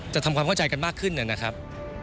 ทำความเข้าใจกันมากขึ้นนะครับ